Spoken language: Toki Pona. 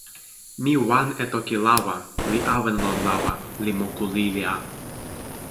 mi wan e toki lawa, li awen lon lawa, li moku lili a.